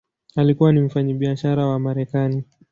Alikuwa ni mfanyabiashara wa Marekani.